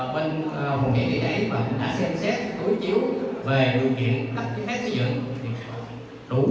và đã xem xét cuối chiếu về điều kiện các chứ khác xây dựng